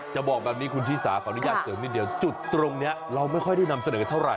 บอกแบบนี้คุณชิสาขออนุญาตเสริมนิดเดียวจุดตรงนี้เราไม่ค่อยได้นำเสนอเท่าไห